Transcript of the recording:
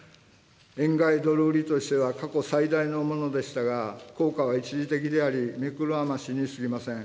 円買いドル売りとしては過去最大のものでしたが、効果は一時的であり、目くらましに過ぎません。